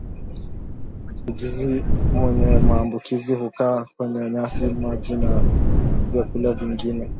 Vijusi vyewe maambukizi hukaa kwenye nyasi maji na vyakula vingine